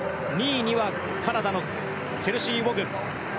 ２位にはカナダのケルシー・ウォグ。